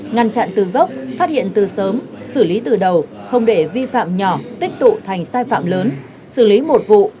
ngăn chặn từ gốc phát hiện từ sớm xử lý từ đầu không để vi phạm nhỏ tích tụ thành sai phạm lớn xử lý một vụ